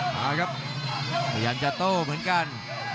พยายามจะโตเหมือนกัน